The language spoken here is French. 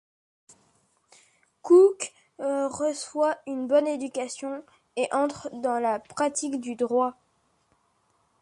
Cook reçoit une bonne éducation et entre dans la pratique du droit.